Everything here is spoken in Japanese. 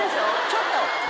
ちょっと！